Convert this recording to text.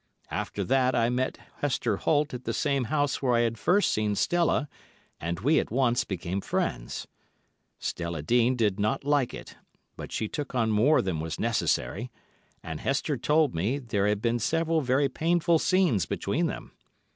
After that I met Hester Holt at the same house where I had first seen Stella, and we at once became friends. Stella Dean did not like it, but she took on more than was necessary; and Hester told me there had been several very painful scenes between them.